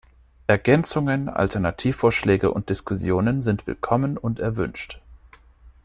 Ergänzungen, Alternativvorschläge und Diskussionen sind willkommen und erwünscht.